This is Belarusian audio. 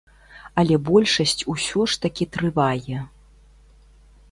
Але большасць усё ж такі трывае.